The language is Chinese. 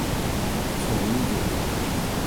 丑妮子。